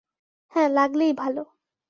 হ্যাঁ, লাগলেই ভালো।